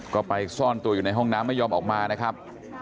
ก็ไปซ่อนตัวอยู่ในห้องน้ำไม่ยอมออกมานะครับ